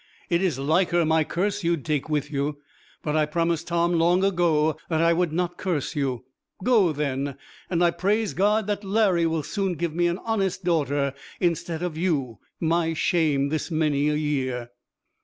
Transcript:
'It is liker my curse you'd take with you. But I promised Tom long ago that I would not curse you. Go then. And I praise God that Larry will soon give me an honest daughter instead of you, my shame this many a year.'